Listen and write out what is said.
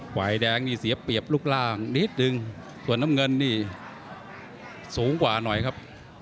ฝ่ายแดงนี่เสียเปรียบรูปร่างนิดนึงส่วนน้ำเงินนี่สูงกว่าหน่อยครับ